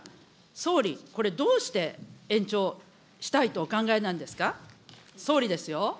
総理、これどうして延長したいとお考えなんですか。